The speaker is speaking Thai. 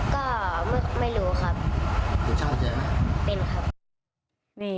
ก็ไม่รู้ครับ